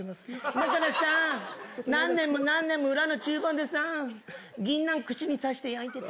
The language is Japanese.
だからさ、何年も何年も裏のちゅう房でさ、ぎんなん串に刺して焼いてた。